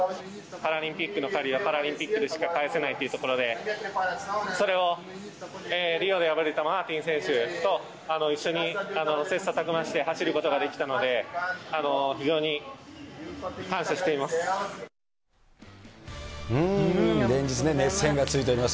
パラリンピックの借りはパラリンピックでしか返せないというところで、それをリオで敗れたマーティン選手と一緒に切さたく磨して走ることができたので、非常に感謝しています。